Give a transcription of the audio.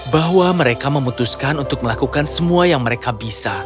bahwa mereka memutuskan untuk melakukan semua yang mereka bisa